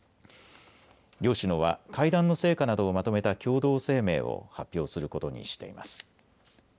両首脳は会談の成果などをまとめた共同声明を発表することにしています。